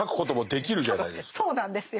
そうなんですよ。